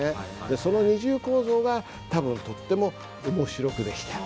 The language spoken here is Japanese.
その二重構造が多分とってもおもしろく出来てる。